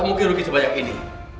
mungkin rugi sebanyak ini